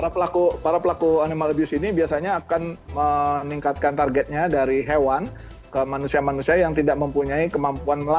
para pelaku para pelaku animal abuse ini biasanya akan meningkatkan targetnya dari hewan ke manusia manusia yang tidak mempunyai kemampuan